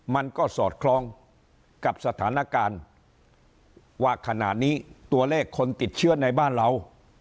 มันก็สอดคล้องกับสถานการณ์ว่าขณะนี้ตัวเลขคนติดเชื้อในบ้านเรา